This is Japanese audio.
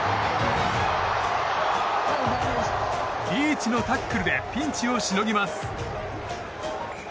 リーチのタックルでピンチをしのぎます。